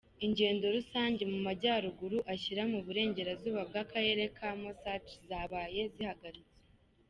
Ingendo rusange mu Majyaruguru ashyira u Burengerazuba bw’Akarere ka Moosach zabaye zihagaritswe.